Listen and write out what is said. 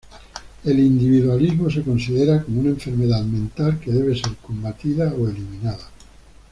El individualismo se considera como una enfermedad mental que debe ser combatida o eliminada.